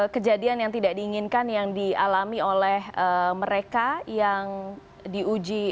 ada kejadian yang tidak diinginkan yang dialami oleh mereka yang di uji